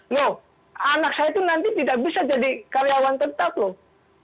loh anak saya itu nanti tidak bisa jadi karyawan tetap loh